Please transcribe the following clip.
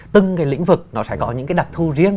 từng cái lĩnh vực nó sẽ có những cái đặt thu riêng